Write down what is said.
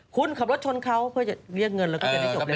คุณขับรถชนเขาเพื่อจะเรียกเงินแล้วก็จะได้จบเลย